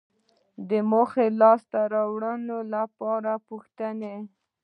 د موخې لاسته راوړنې لپاره پوښتنې